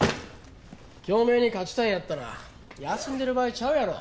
京明に勝ちたいんやったら休んでる場合ちゃうやろ。